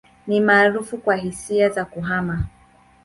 Ni maarufu kwa hisia za kuhama.